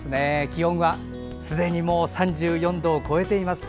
気温はすでに３４度を超えています。